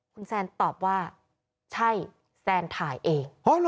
คุณแซนตอบว่าใช่แซนถ่ายเองอ๋อเหรอ